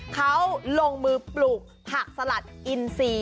เขาลงมือปลูกผักสลัดอินซี